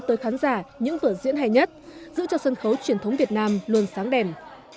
tôi khán giả những vở diễn hay nhất giữ cho sân khấu truyền thống việt nam luôn sáng đẹp